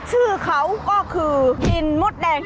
ชื่อเขาก็คือดินมดแดง